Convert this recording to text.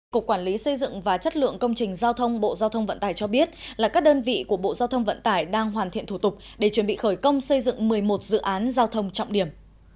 cục quản lý xây dựng và chất lượng công trình giao thông bộ giao thông vận tải cho biết là các đơn vị của bộ giao thông vận tải đang hoàn thiện thủ tục để chuẩn bị khởi công xây dựng một mươi một dự án giao thông trọng điểm